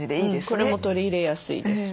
これも取り入れやすいです。